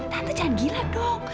tante jangan gila dong